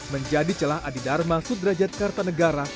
menjadi celah adi dharma sudrajat karta negara